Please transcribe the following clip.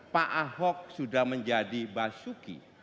pak ahok sudah menjadi basuki